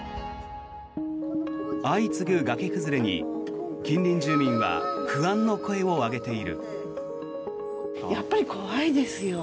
相次ぐ崖崩れに、近隣住人は不安の声を上げている。